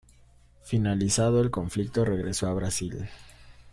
Finalizado el conflicto regresó a Brasil.